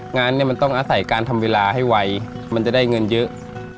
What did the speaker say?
งานเนี่ยมันต้องอาศัยการทำเวลาให้ไวมันจะได้เงินเยอะ